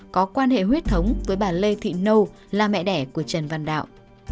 có quan hệ huyết thống với bà lê thị nâu là mẹ đẻ của trần văn đạo